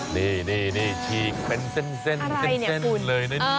นี่นี่นี่ฉีกเป็นเส้นเลยนะเนี่ย